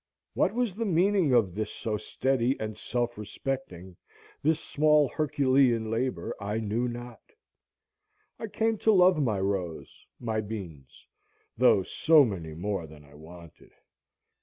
What was the meaning of this so steady and self respecting, this small Herculean labor, I knew not. I came to love my rows, my beans, though so many more than I wanted.